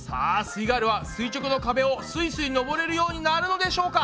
イガールは垂直の壁をすいすい登れるようになるのでしょうか？